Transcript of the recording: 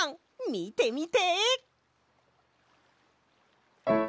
みてみて！